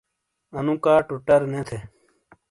انو کاٹوٹر نہ تھے۔